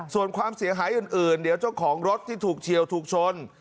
ส่วนความเสียหายอื่นเดี๋ยวเจ้าของรถที่ถูกเฉียวถูกชน